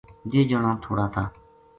یہ جنا تھوڑا تھا